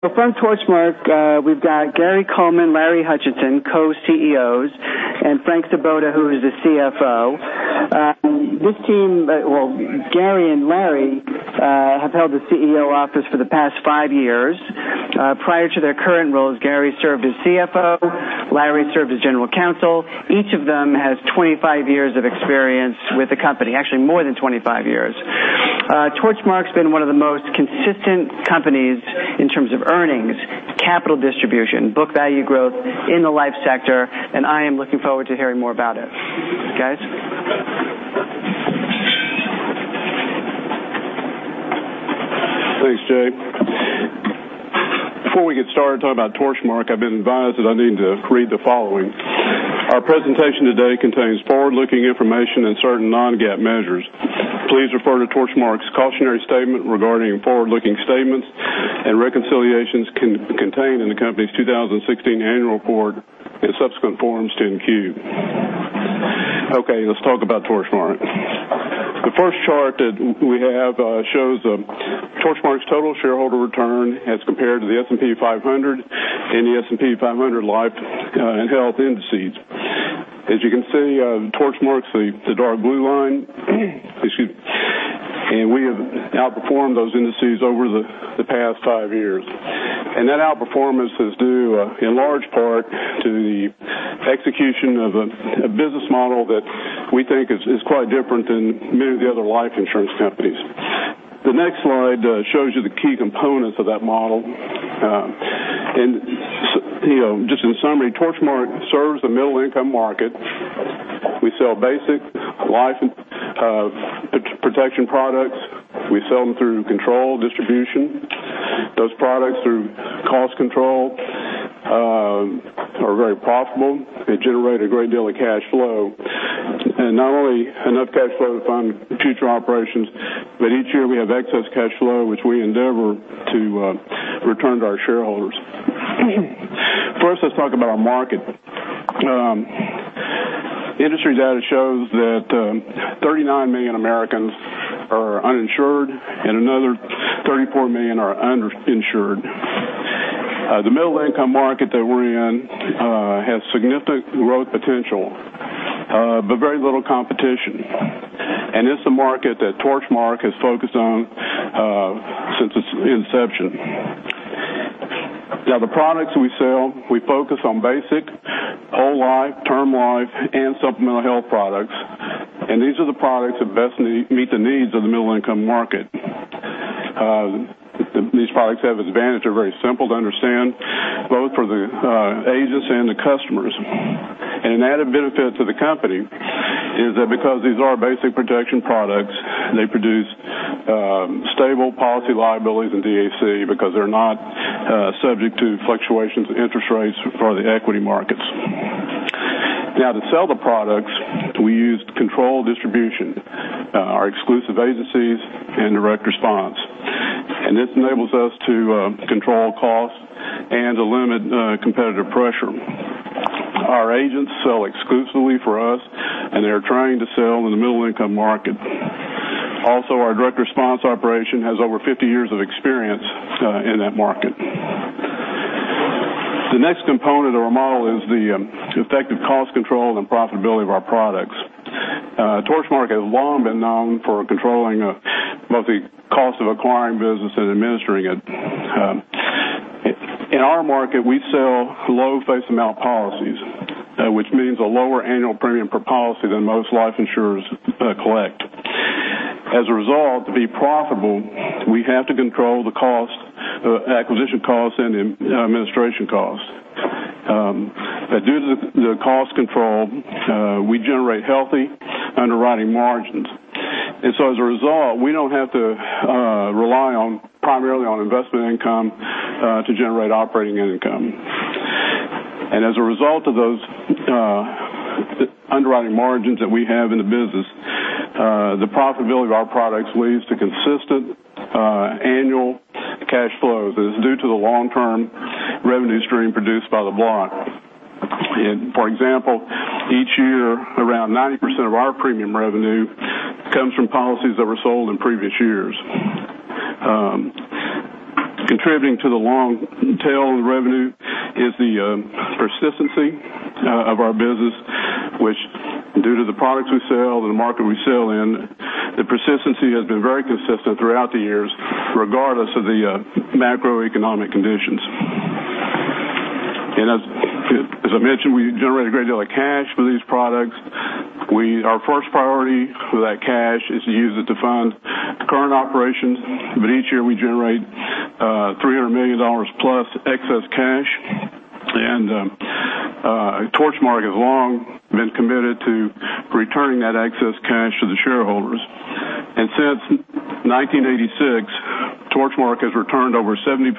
From Torchmark, we've got Gary Coleman, Larry Hutchison, Co-CEOs, and Frank Svoboda, who is the CFO. This team, well, Gary and Larry, have held the CEO office for the past 5 years. Prior to their current roles, Gary served as CFO. Larry served as general counsel. Each of them has 25 years of experience with the company. Actually, more than 25 years. Torchmark's been one of the most consistent companies in terms of earnings, capital distribution, book value growth in the life sector, and I am looking forward to hearing more about it. Guys? Thanks, Jay. Before we get started talking about Torchmark, I've been advised that I need to read the following. Our presentation today contains forward-looking information and certain non-GAAP measures. Please refer to Torchmark's cautionary statement regarding forward-looking statements and reconciliations contained in the company's 2016 annual report and subsequent Forms 10-Q. Okay, let's talk about Torchmark. The first chart that we have shows Torchmark's total shareholder return as compared to the S&P 500 and the S&P 500 Life & Health Insurance indices. As you can see, Torchmark's the dark blue line, excuse me, we have outperformed those indices over the past 5 years. That outperformance is due in large part to the execution of a business model that we think is quite different than many of the other life insurance companies. The next slide shows you the key components of that model. Just in summary, Torchmark serves the middle-income market. We sell basic life protection products. We sell them through controlled distribution. Those products, through cost control, are very profitable and generate a great deal of cash flow. Not only enough cash flow to fund future operations, but each year we have excess cash flow, which we endeavor to return to our shareholders. First, let's talk about our market. Industry data shows that 39 million Americans are uninsured and another 34 million are under-insured. The middle-income market that we're in has significant growth potential, but very little competition, and it's the market that Torchmark has focused on since its inception. The products we sell, we focus on basic whole life, term life, and supplemental health products, and these are the products that best meet the needs of the middle-income market. These products have advantage. They're very simple to understand, both for the agents and the customers. An added benefit to the company is that because these are basic protection products, they produce stable policy liabilities and DAC because they're not subject to fluctuations in interest rates for the equity markets. To sell the products, we use controlled distribution, our exclusive agencies, and Direct Response. This enables us to control cost and to limit competitive pressure. Our agents sell exclusively for us, and they're trained to sell in the middle-income market. Also, our Direct Response operation has over 50 years of experience in that market. The next component of our model is the effective cost control and profitability of our products. Torchmark has long been known for controlling both the cost of acquiring business and administering it. In our market, we sell low face amount policies, which means a lower annual premium per policy than most life insurers collect. As a result, to be profitable, we have to control the acquisition cost and the administration cost. Due to the cost control, we generate healthy underwriting margins. As a result, we don't have to rely primarily on investment income to generate operating income. As a result of those underwriting margins that we have in the business, the profitability of our products leads to consistent annual cash flows as due to the long-term revenue stream produced by the block. For example, each year, around 90% of our premium revenue comes from policies that were sold in previous years. Contributing to the long tail of the revenue is the persistency of our business which, due to the products we sell, the market we sell in, the persistency has been very consistent throughout the years, regardless of the macroeconomic conditions. As I mentioned, we generate a great deal of cash for these products. Our first priority for that cash is to use it to fund current operations, but each year we generate $300 million+ excess cash, and Torchmark has long been committed to returning that excess cash to the shareholders. Since 1986, Torchmark has returned over 75%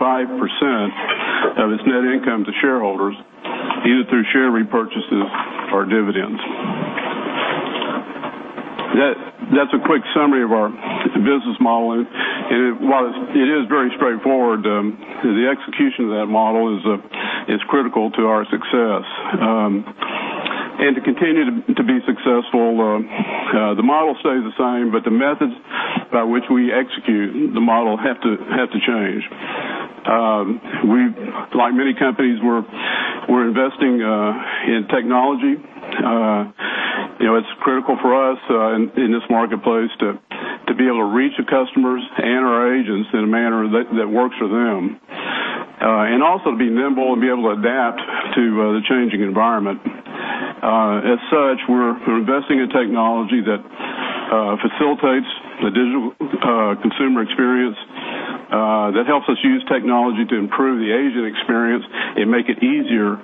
of its net income to shareholders, either through share repurchases or dividends. That's a quick summary of our business model, and while it is very straightforward, the execution of that model is critical to our success. To continue to be successful, the model stays the same, but the methods by which we execute the model have to change. Like many companies, we're investing in technology. It's critical for us in this marketplace to be able to reach the customers and our agents in a manner that works for them. Also to be nimble and be able to adapt to the changing environment. As such, we're investing in technology that facilitates the digital consumer experience, that helps us use technology to improve the agent experience and make it easier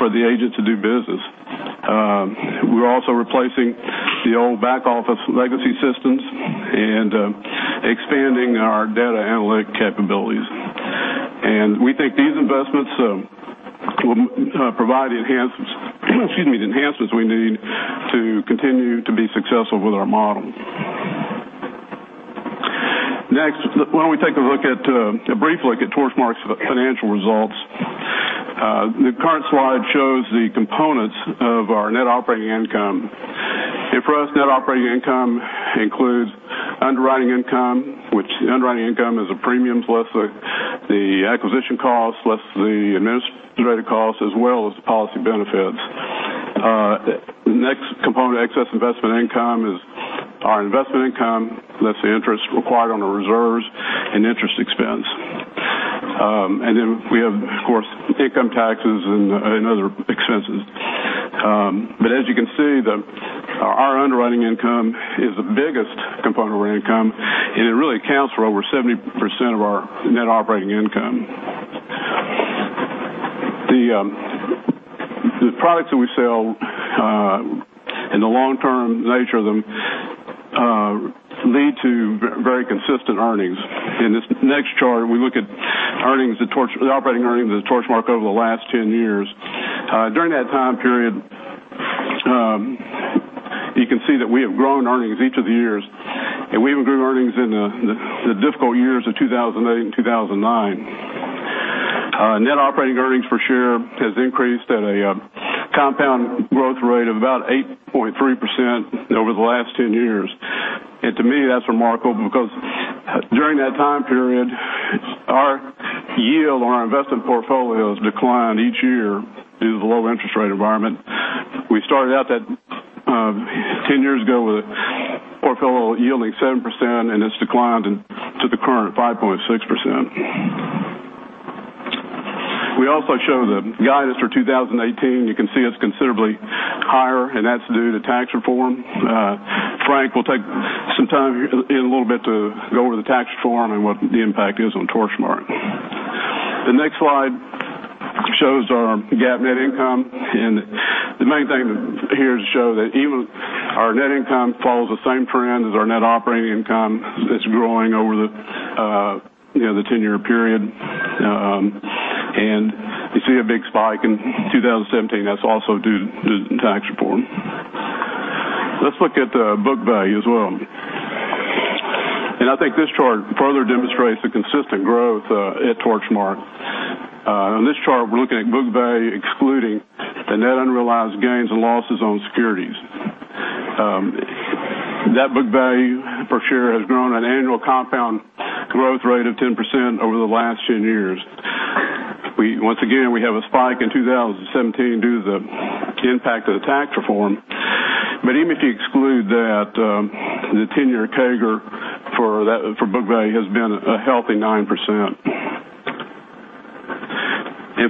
for the agent to do business. We're also replacing the old back office legacy systems and expanding our data analytic capabilities. We think these investments will provide the enhancements we need to continue to be successful with our model. Next, why don't we take a brief look at Torchmark's financial results? The current slide shows the components of our net operating income. For us, net operating income includes underwriting income, which underwriting income is the premiums less the acquisition costs, less the administrative costs, as well as the policy benefits. Next component, excess investment income, is our investment income less the interest required on the reserves and interest expense. Then we have, of course, income taxes and other expenses. As you can see, our underwriting income is the biggest component of our income, and it really accounts for over 70% of our net operating income. The products that we sell and the long-term nature of them lead to very consistent earnings. In this next chart, we look at the operating earnings of Torchmark over the last 10 years. During that time period, you can see that we have grown earnings each of the years, and we even grew earnings in the difficult years of 2008 and 2009. Net operating earnings per share has increased at a compound growth rate of about 8.3% over the last 10 years. To me, that's remarkable because during that time period, our yield on our investment portfolios declined each year due to the low interest rate environment. We started out 10 years ago with a portfolio yielding 7%, and it's declined to the current 5.6%. We also show the guidance for 2018. You can see it's considerably higher, and that's due to tax reform. Frank will take some time in a little bit to go over the tax reform and what the impact is on Torchmark. The next slide shows our GAAP net income, and the main thing here is to show that even our net income follows the same trend as our net operating income. It's growing over the 10-year period. You see a big spike in 2017. That's also due to tax reform. Let's look at the book value as well. I think this chart further demonstrates the consistent growth at Torchmark. In this chart, we're looking at book value excluding the net unrealized gains and losses on securities. Net book value per share has grown at an annual compound growth rate of 10% over the last 10 years. Once again, we have a spike in 2017 due to the impact of the tax reform. Even if you exclude that, the 10-year CAGR for book value has been a healthy 9%.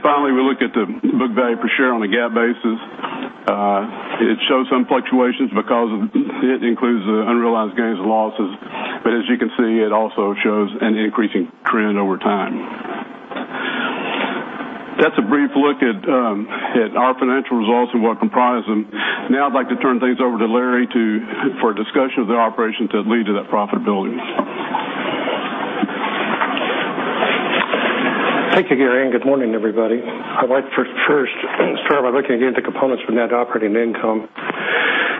Finally, we look at the book value per share on a GAAP basis. It shows some fluctuations because it includes the unrealized gains and losses. As you can see, it also shows an increasing trend over time. That's a brief look at our financial results and what comprises them. Now I'd like to turn things over to Larry for a discussion of the operations that lead to that profitability. Thank you, Gary, and good morning, everybody. I'd like to first start by looking again at the components for net operating income.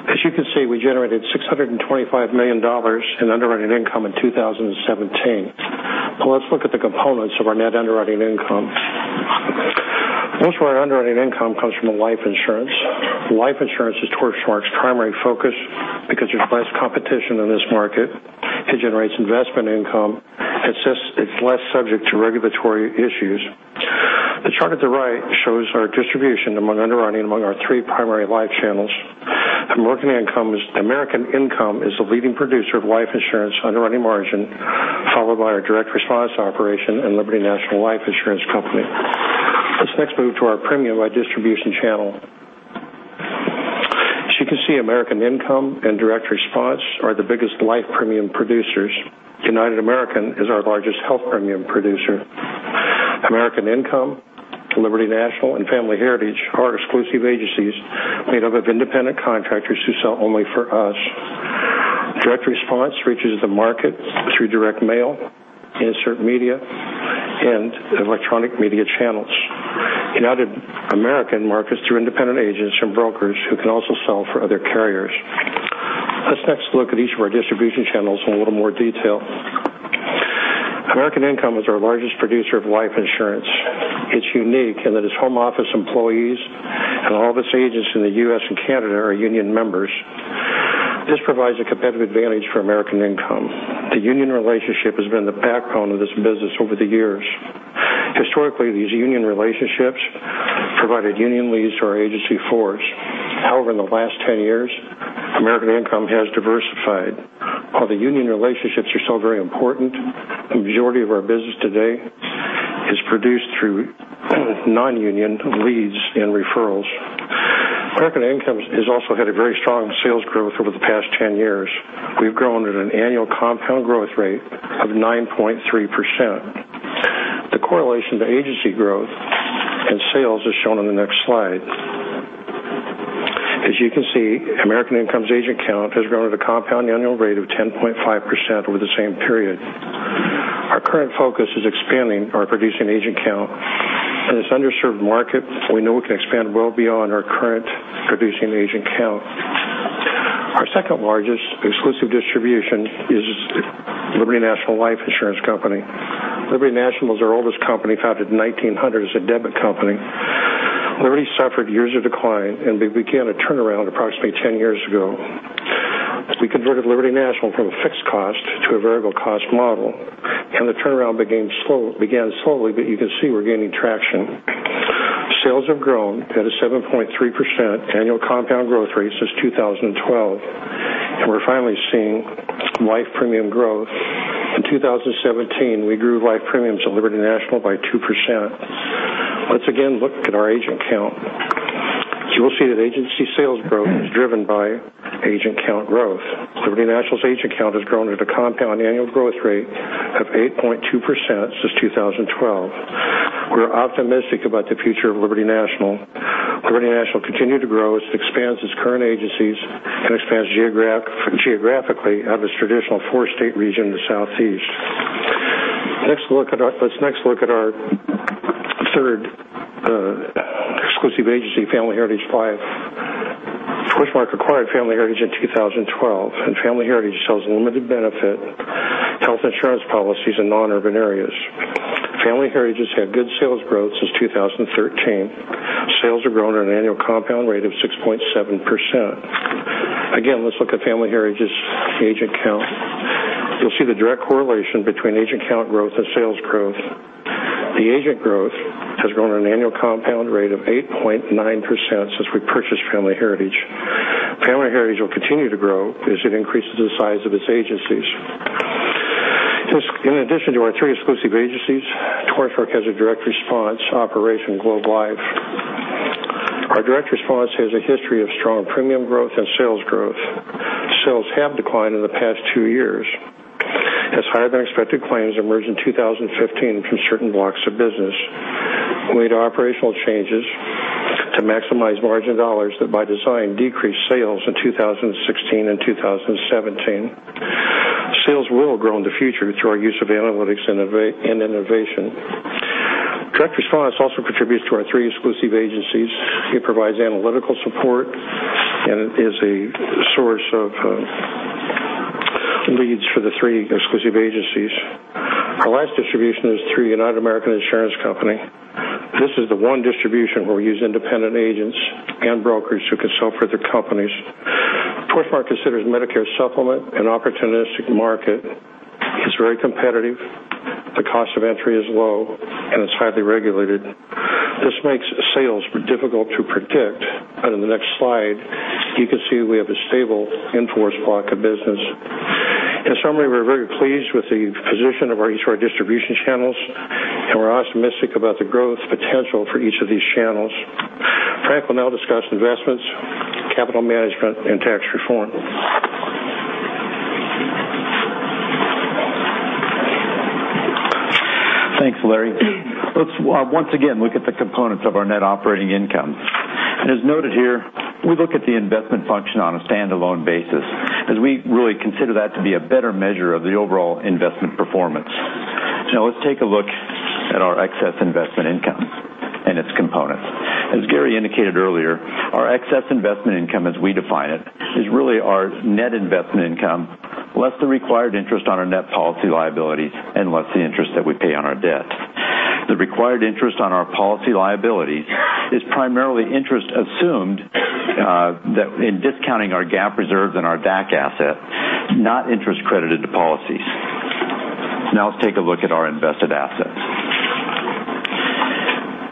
As you can see, we generated $625 million in underwriting income in 2017. Let's look at the components of our net underwriting income. Most of our underwriting income comes from life insurance. Life insurance is Torchmark's primary focus because there's less competition in this market. It generates investment income. It's less subject to regulatory issues. The chart at the right shows our distribution among underwriting among our three primary life channels. American Income is the leading producer of life insurance underwriting margin, followed by our direct response operation and Liberty National Life Insurance Company. Let's next move to our premium by distribution channel. As you can see, American Income and Direct Response are the biggest life premium producers. United American is our largest health premium producer. American Income, Liberty National, and Family Heritage are exclusive agencies made up of independent contractors who sell only for us. Direct Response reaches the market through direct mail, insert media, and electronic media channels. United American markets through independent agents and brokers who can also sell for other carriers. Let's next look at each of our distribution channels in a little more detail. American Income is our largest producer of life insurance. It's unique in that its home office employees and all of its agents in the U.S. and Canada are union members. This provides a competitive advantage for American Income. The union relationship has been the backbone of this business over the years. Historically, these union relationships provided union leads to our agency force. However, in the last 10 years, American Income has diversified. While the union relationships are still very important, a majority of our business today is produced through non-union leads and referrals. American Income has also had a very strong sales growth over the past 10 years. We've grown at an annual compound growth rate of 9.3%. The correlation to agency growth and sales is shown on the next slide. As you can see, American Income's agent count has grown at a compound annual rate of 10.5% over the same period. Our current focus is expanding our producing agent count. In this underserved market, we know we can expand well beyond our current producing agent count. Our second-largest exclusive distribution is Liberty National Life Insurance Company. Liberty National is our oldest company, founded in 1900 as a debit company. Liberty suffered years of decline, and they began a turnaround approximately 10 years ago. As we converted Liberty National from a fixed cost to a variable cost model, and the turnaround began slowly, but you can see we're gaining traction. Sales have grown at a 7.3% annual compound growth rate since 2012, and we're finally seeing life premium growth. In 2017, we grew life premiums at Liberty National by 2%. Let's again look at our agent count. As you will see that agency sales growth is driven by agent count growth. Liberty National's agent count has grown at a compound annual growth rate of 8.2% since 2012. We're optimistic about the future of Liberty National. Liberty National continue to grow as it expands its current agencies and expands geographically out of its traditional four-state region in the Southeast. Let's next look at our third exclusive agency, Family Heritage Life. Torchmark acquired Family Heritage in 2012, and Family Heritage sells limited benefit health insurance policies in non-urban areas. Family Heritage has had good sales growth since 2013. Sales have grown at an annual compound rate of 6.7%. Again, let's look at Family Heritage's agent count. You'll see the direct correlation between agent count growth and sales growth. The agent growth has grown at an annual compound rate of 8.9% since we purchased Family Heritage. Family Heritage will continue to grow as it increases the size of its agencies. In addition to our three exclusive agencies, Torchmark has a direct response operation, Globe Life. Our direct response has a history of strong premium growth and sales growth. Sales have declined in the past two years as higher-than-expected claims emerged in 2015 from certain blocks of business. We made operational changes to maximize margin dollars that by design decreased sales in 2016 and 2017. Sales will grow in the future through our use of analytics and innovation. direct response also contributes to our three exclusive agencies. It provides analytical support and is a source of leads for the three exclusive agencies. Our last distribution is through United American Insurance Company. This is the one distribution where we use independent agents and brokers who can sell for other companies. Torchmark Corporation considers Medicare supplement an opportunistic market. It's very competitive, the cost of entry is low, and it's highly regulated. This makes sales difficult to predict, but in the next slide, you can see we have a stable in-force block of business. In summary, we're very pleased with the position of each of our distribution channels, and we're optimistic about the growth potential for each of these channels. Frank will now discuss investments, capital management, and tax reform. Thanks, Larry. Let's once again look at the components of our net operating income. As noted here, we look at the investment function on a standalone basis, as we really consider that to be a better measure of the overall investment performance. Let's take a look at our excess investment income and its components. As Gary indicated earlier, our excess investment income as we define it, is really our net investment income, less the required interest on our net policy liabilities and less the interest that we pay on our debt. The required interest on our policy liabilities is primarily interest assumed in discounting our GAAP reserves and our DAC asset, not interest credited to policies. Let's take a look at our invested assets.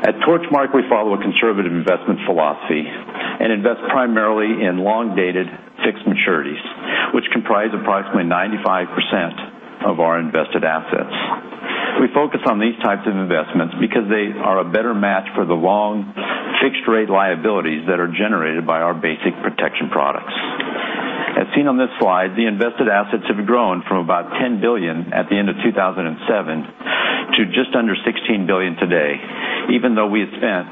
At Torchmark Corporation, we follow a conservative investment philosophy and invest primarily in long-dated fixed maturities, which comprise approximately 95% of our invested assets. We focus on these types of investments because they are a better match for the long, fixed-rate liabilities that are generated by our basic protection products. As seen on this slide, the invested assets have grown from about $10 billion at the end of 2007 to just under $16 billion today, even though we had spent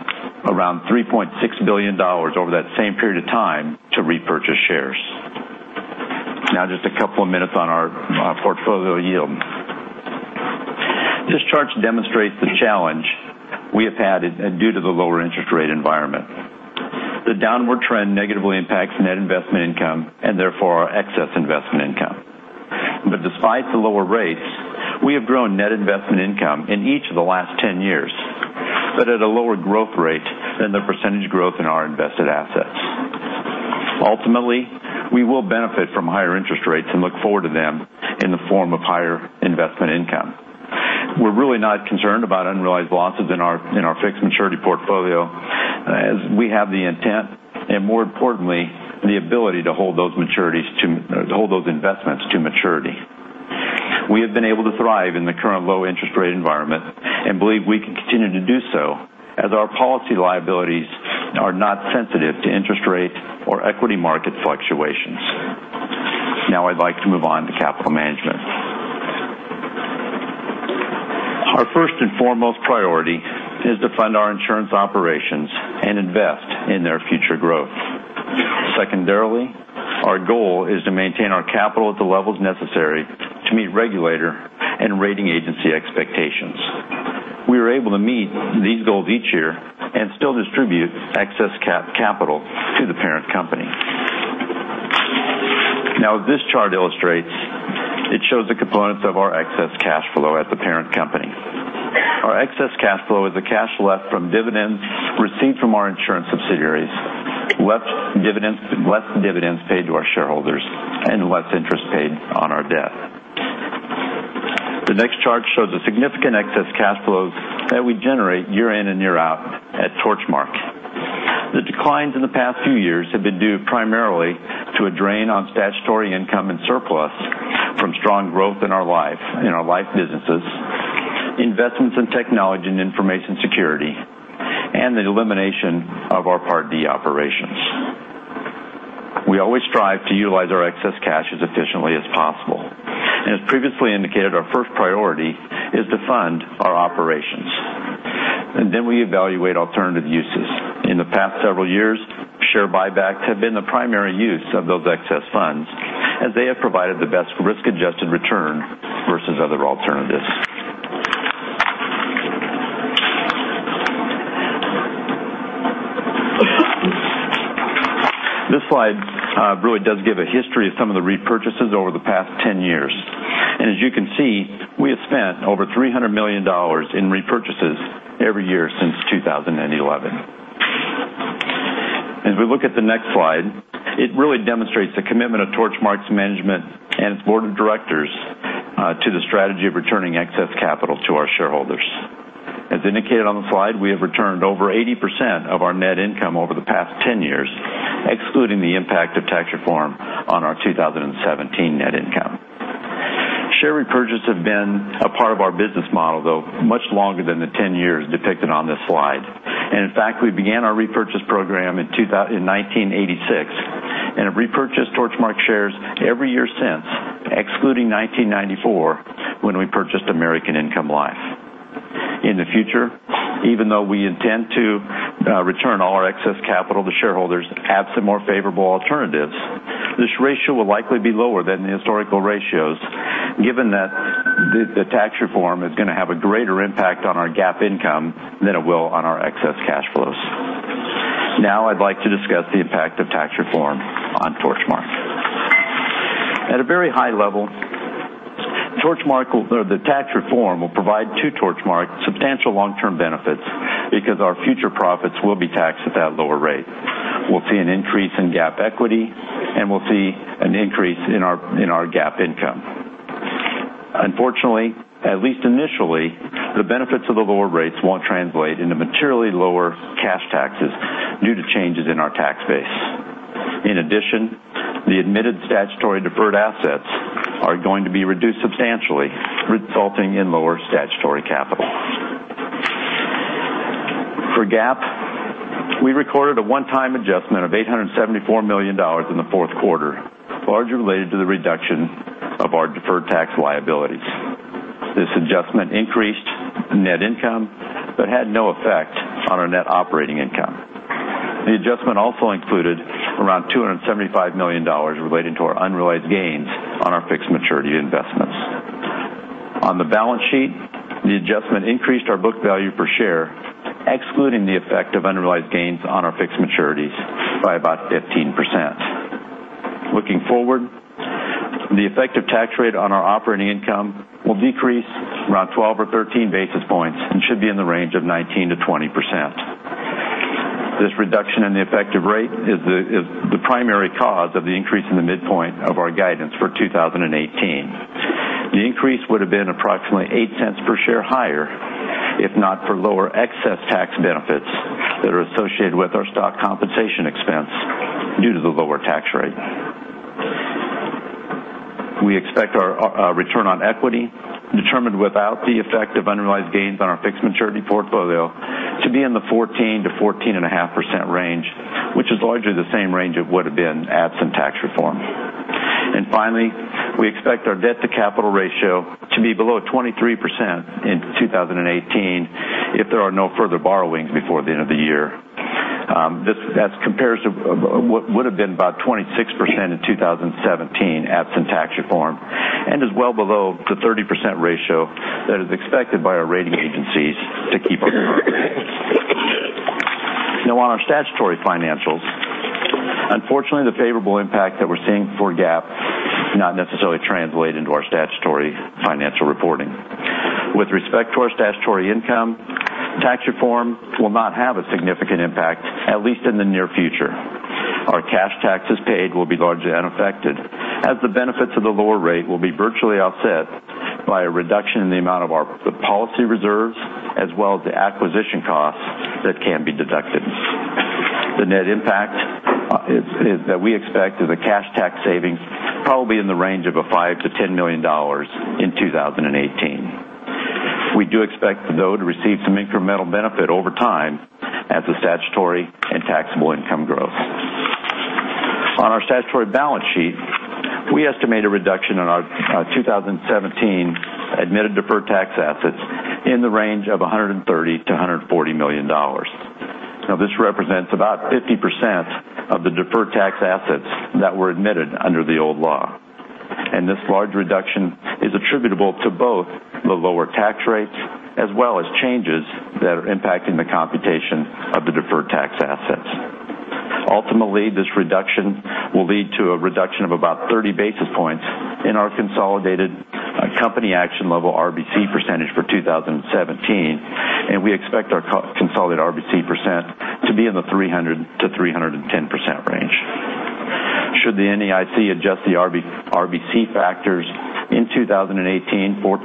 around $3.6 billion over that same period of time to repurchase shares. Just a couple of minutes on our portfolio yield. This chart demonstrates the challenge we have had due to the lower interest rate environment. The downward trend negatively impacts net investment income and therefore our excess investment income. Despite the lower rates, we have grown net investment income in each of the last 10 years, but at a lower growth rate than the percentage growth in our invested assets. Ultimately, we will benefit from higher interest rates and look forward to them in the form of higher investment income. We're really not concerned about unrealized losses in our fixed maturity portfolio, as we have the intent and, more importantly, the ability to hold those investments to maturity. We have been able to thrive in the current low interest rate environment and believe we can continue to do so as our policy liabilities are not sensitive to interest rate or equity market fluctuations. I'd like to move on to capital management. Our first and foremost priority is to fund our insurance operations and invest in their future growth. Secondarily, our goal is to maintain our capital at the levels necessary to meet regulator and rating agency expectations. We are able to meet these goals each year and still distribute excess capital to the parent company. As this chart illustrates, it shows the components of our excess cash flow at the parent company. Our excess cash flow is the cash left from dividends received from our insurance subsidiaries, less dividends paid to our shareholders and less interest paid on our debt. The next chart shows the significant excess cash flows that we generate year in and year out at Torchmark. The declines in the past few years have been due primarily to a drain on statutory income and surplus from strong growth in our life businesses, investments in technology and information security, and the elimination of our Part D operations. We always strive to utilize our excess cash as efficiently as possible, and as previously indicated, our first priority is to fund our operations. We evaluate alternative uses. In the past several years, share buybacks have been the primary use of those excess funds as they have provided the best risk-adjusted return versus other alternatives. This slide really does give a history of some of the repurchases over the past 10 years. As you can see, we have spent over $300 million in repurchases every year since 2011. As we look at the next slide, it really demonstrates the commitment of Torchmark's management and its board of directors to the strategy of returning excess capital to our shareholders. As indicated on the slide, we have returned over 80% of our net income over the past 10 years, excluding the impact of tax reform on our 2017 net income. Share repurchases have been a part of our business model, though much longer than the 10 years depicted on this slide. In fact, we began our repurchase program in 1986 and have repurchased Torchmark shares every year since, excluding 1994 when we purchased American Income Life. In the future, even though we intend to return all our excess capital to shareholders, absent some more favorable alternatives, this ratio will likely be lower than the historical ratios given that the tax reform is going to have a greater impact on our GAAP income than it will on our excess cash flows. I'd like to discuss the impact of tax reform on Torchmark. At a very high level, the tax reform will provide to Torchmark substantial long-term benefits because our future profits will be taxed at that lower rate. We'll see an increase in GAAP equity, and we'll see an increase in our GAAP income. Unfortunately, at least initially, the benefits of the lower rates won't translate into materially lower cash taxes due to changes in our tax base. In addition, the admitted statutory deferred assets are going to be reduced substantially, resulting in lower statutory capital. For GAAP, we recorded a one-time adjustment of $874 million in the fourth quarter, largely related to the reduction of our deferred tax liabilities. This adjustment increased net income but had no effect on our net operating income. The adjustment also included around $275 million relating to our unrealized gains on our fixed maturity investments. On the balance sheet, the adjustment increased our book value per share, excluding the effect of unrealized gains on our fixed maturities by about 15%. Looking forward, the effective tax rate on our operating income will decrease around 12 or 13 percentage points and should be in the range of 19%-20%. This reduction in the effective rate is the primary cause of the increase in the midpoint of our guidance for 2018. The increase would have been approximately $0.08 per share higher if not for lower excess tax benefits that are associated with our stock compensation expense due to the lower tax rate. We expect our return on equity, determined without the effect of unrealized gains on our fixed maturity portfolio, to be in the 14%-14.5% range, which is largely the same range it would have been absent tax reform. Finally, we expect our debt-to-capital ratio to be below 23% in 2018 if there are no further borrowings before the end of the year. That compares to what would have been about 26% in 2017 absent tax reform and is well below the 30% ratio that is expected by our rating agencies. Now on our statutory financials, unfortunately the favorable impact that we're seeing for GAAP not necessarily translate into our statutory financial reporting. With respect to our statutory income, tax reform will not have a significant impact, at least in the near future. Our cash taxes paid will be largely unaffected as the benefits of the lower rate will be virtually offset by a reduction in the amount of our policy reserves, as well as the acquisition costs that can be deducted. The net impact that we expect is a cash tax saving probably in the range of $5 million-$10 million in 2018. We do expect, though, to receive some incremental benefit over time as the statutory and taxable income grows. On our statutory balance sheet, we estimate a reduction in our 2017 admitted deferred tax assets in the range of $130 million-$140 million. Now this represents about 50% of the deferred tax assets that were admitted under the old law. This large reduction is attributable to both the lower tax rates as well as changes that are impacting the computation of the deferred tax assets. Ultimately, this reduction will lead to a reduction of about 30 basis points in our consolidated company action level RBC percentage for 2017, and we expect our consolidated RBC percent to be in the 300%-310% range. Should the NAIC adjust the RBC factors in 2018 for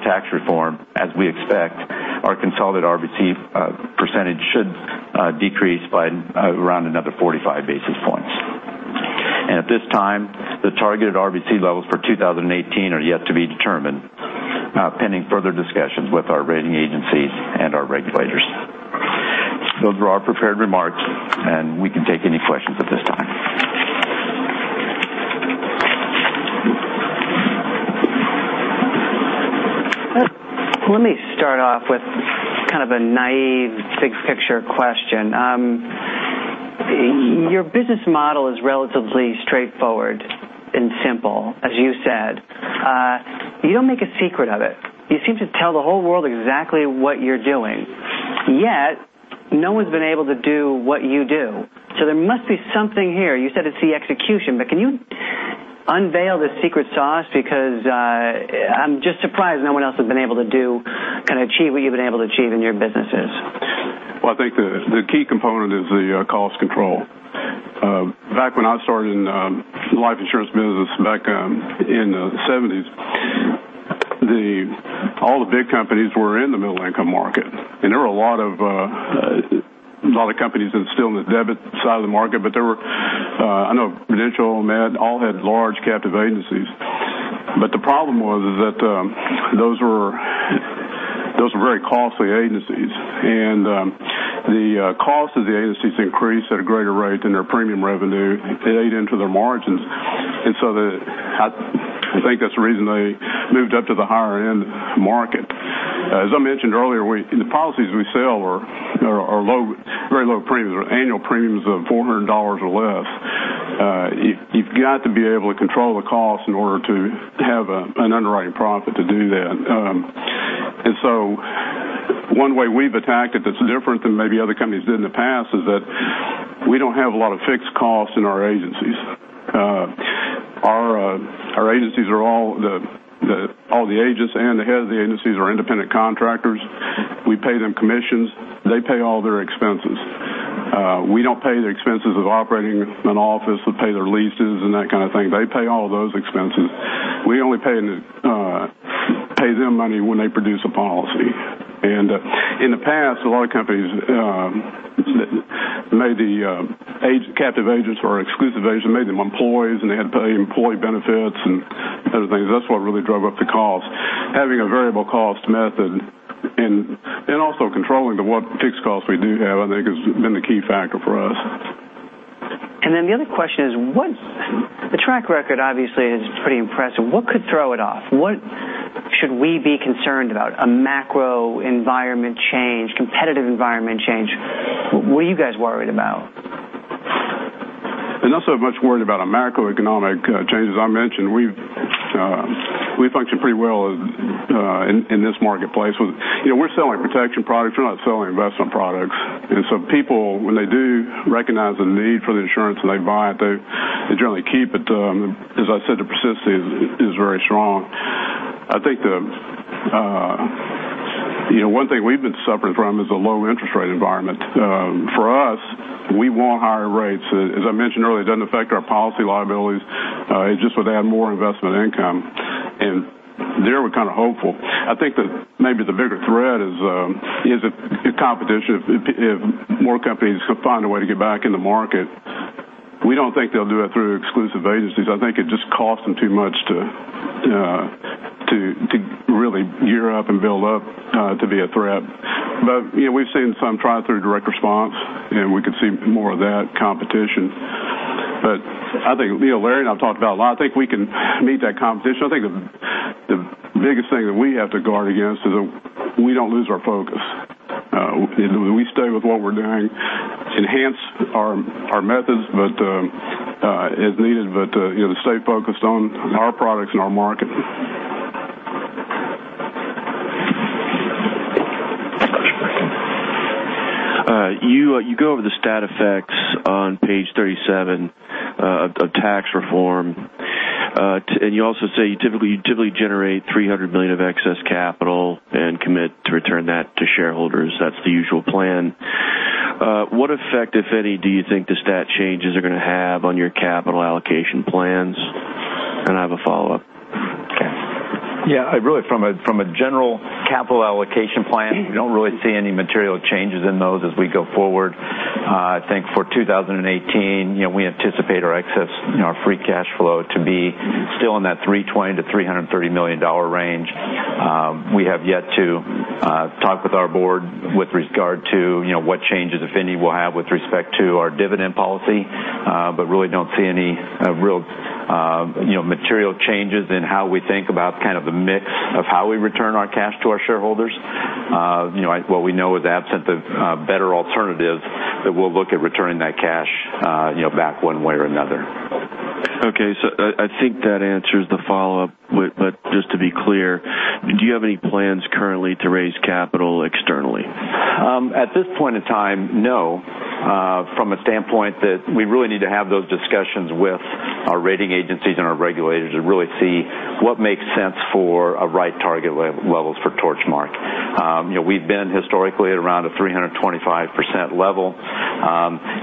tax reform, as we expect, our consolidated RBC percentage should decrease by around another 45 basis points. At this time, the targeted RBC levels for 2018 are yet to be determined, pending further discussions with our rating agencies and our regulators. Those are our prepared remarks, and we can take any questions at this time. Let me start off with kind of a naive big picture question. Your business model is relatively straightforward and simple, as you said. You don't make a secret of it. You seem to tell the whole world exactly what you're doing, yet no one's been able to do what you do. There must be something here. Can you unveil the secret sauce? I'm just surprised no one else has been able to kind of achieve what you've been able to achieve in your businesses. Well, I think the key component is the cost control. Back when I started in the life insurance business back in the 1970s, all the big companies were in the middle income market. There were a lot of companies that are still in the debit side of the market, but there were, I know Prudential, Met, all had large captive agencies. The problem was is that those were very costly agencies, and the cost of the agencies increased at a greater rate than their premium revenue. It ate into their margins. I think that's the reason they moved up to the higher end market. As I mentioned earlier, the policies we sell are very low premiums. They're annual premiums of $400 or less. You've got to be able to control the cost in order to have an underwriting profit to do that. One way we've attacked it that's different than maybe other companies did in the past is that we don't have a lot of fixed costs in our agencies. All the agents and the head of the agencies are independent contractors. We pay them commissions. They pay all their expenses. We don't pay the expenses of operating an office. We pay their leases and that kind of thing. They pay all of those expenses. We only pay them money when they produce a policy. In the past, a lot of companies made the captive agents or exclusive agent, made them employees, and they had to pay employee benefits and other things. That's what really drove up the cost. Having a variable cost method and then also controlling the fixed costs we do have, I think, has been the key factor for us. The other question is, the track record obviously is pretty impressive. What could throw it off? What should we be concerned about? A macro environment change, competitive environment change? What are you guys worried about? There's not so much worry about a macroeconomic change. As I mentioned, we function pretty well in this marketplace. We're selling protection products. We're not selling investment products. People, when they do recognize the need for the insurance and they buy it, they generally keep it. As I said, the persistency is very strong. I think one thing we've been suffering from is a low interest rate environment. For us, we want higher rates. As I mentioned earlier, it doesn't affect our policy liabilities. It just would add more investment income, and there we're kind of hopeful. I think that maybe the bigger threat is the competition. If more companies could find a way to get back in the market, we don't think they'll do it through exclusive agencies. I think it just costs them too much to really gear up and build up to be a threat. We've seen some try through direct response, and we could see more of that competition. I think Larry and I've talked about a lot, I think we can meet that competition. I think the biggest thing that we have to guard against is that we don't lose our focus. We stay with what we're doing, enhance our methods as needed, but stay focused on our products and our market. You go over the stat effects on page 37 of tax reform, you also say you typically generate $300 million of excess capital and commit to return that to shareholders. That's the usual plan. What effect, if any, do you think the stat changes are going to have on your capital allocation plans? I have a follow-up. Okay. Really from a general capital allocation plan, we don't really see any material changes in those as we go forward. I think for 2018, we anticipate our excess, our free cash flow to be still in that $320 million-$330 million range. We have yet to talk with our board with regard to what changes, if any, we'll have with respect to our dividend policy. Really don't see any real material changes in how we think about kind of the mix of how we return our cash to our shareholders. What we know is absent of better alternatives, that we'll look at returning that cash back one way or another. Okay. I think that answers the follow-up, just to be clear, do you have any plans currently to raise capital externally? At this point in time, no. From a standpoint that we really need to have those discussions with our rating agencies and our regulators to really see what makes sense for a right target level for Torchmark. We've been historically at around a 325% level.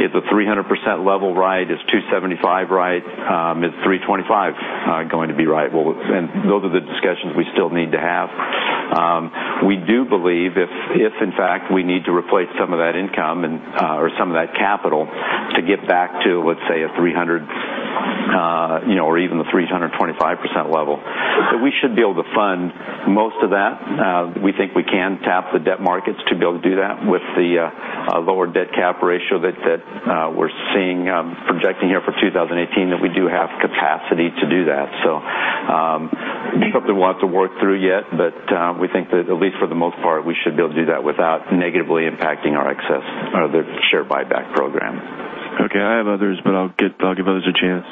Is a 300% level right? Is 275% right? Is 325% going to be right? Those are the discussions we still need to have. We do believe if in fact we need to replace some of that income or some of that capital to get back to, let's say a 300%, or even the 325% level, that we should be able to fund most of that. We think we can tap the debt markets to be able to do that with the lower debt-to-cap ratio that we're seeing, projecting here for 2018, that we do have capacity to do that. Something we'll have to work through yet, we think that at least for the most part, we should be able to do that without negatively impacting our excess or the share buyback program. Okay. I have others, but I'll give others a chance.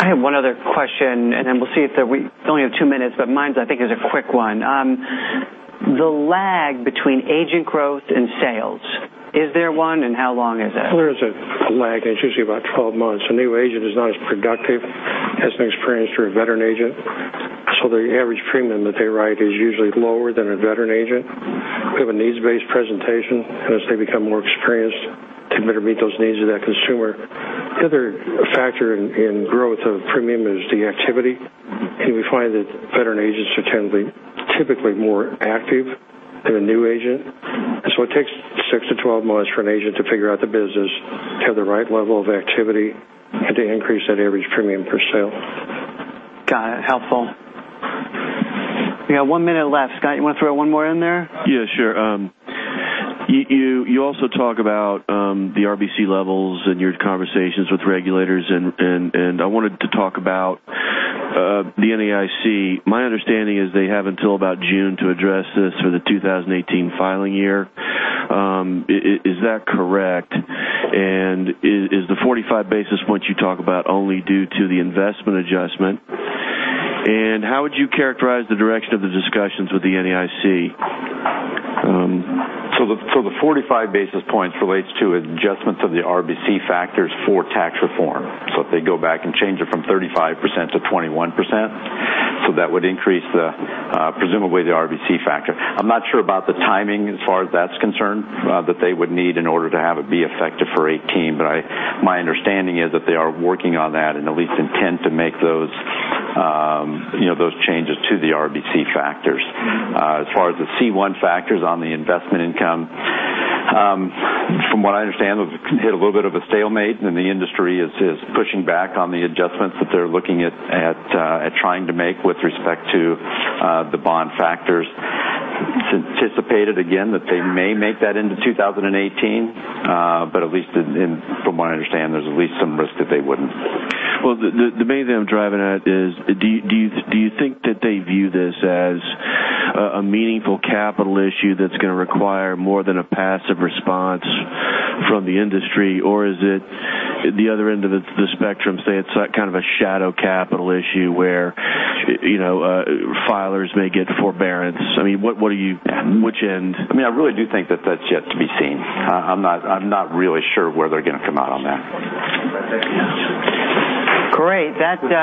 I have one other question, and then we'll see if we only have two minutes, but mine I think is a quick one. The lag between agent growth and sales, is there one and how long is it? There is a lag, and it's usually about 12 months. A new agent is not as productive, has no experience for a veteran agent, so the average premium that they write is usually lower than a veteran agent. We have a needs-based presentation, and as they become more experienced, they better meet those needs of that consumer. The other factor in growth of premium is the activity, and we find that veteran agents are typically more active than a new agent. It takes 6 to 12 months for an agent to figure out the business to have the right level of activity, and to increase that average premium per sale. Got it. Helpful. We got one minute left. Scott, you want to throw one more in there? Yeah, sure. You also talk about the RBC levels and your conversations with regulators. I wanted to talk about the NAIC. My understanding is they have until about June to address this for the 2018 filing year. Is that correct? Is the 45 basis points you talk about only due to the investment adjustment, and how would you characterize the direction of the discussions with the NAIC? The 45 basis points relates to adjustments of the RBC factors for tax reform. If they go back and change it from 35%-21%, that would increase presumably the RBC factor. I'm not sure about the timing as far as that's concerned that they would need in order to have it be effective for 2018. My understanding is that they are working on that and at least intend to make those changes to the RBC factors. As far as the C1 factors on the investment income, from what I understand, those can hit a little bit of a stalemate and the industry is pushing back on the adjustments that they're looking at trying to make with respect to the bond factors. It's anticipated again, that they may make that into 2018. At least from what I understand, there's at least some risk that they wouldn't. Well, the main thing I'm driving at is, do you think that they view this as a meaningful capital issue that's going to require more than a passive response from the industry? Or is it the other end of the spectrum, say it's like kind of a shadow capital issue where filers may get forbearance? I mean, which end? I mean, I really do think that that's yet to be seen. I'm not really sure where they're going to come out on that. Great.